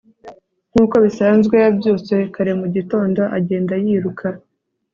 nkuko bisanzwe, yabyutse kare mu gitondo agenda yiruka